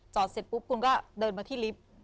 เสร็จปุ๊บคุณก็เดินมาที่ลิฟท์